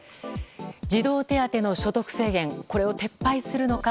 児童手当の所得制限これを撤廃するのか。